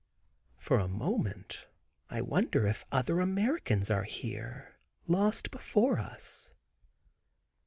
For a moment I wonder if other Americans are here lost before us.